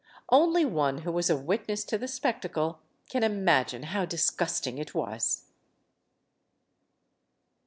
Only one who was a witness to the spectacle can im agine how disgusting it was.